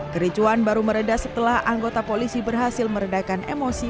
kericuan baru meredah setelah anggota polisi berhasil meredakan emosi